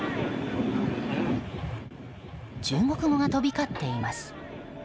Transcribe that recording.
中国語が飛び交っています。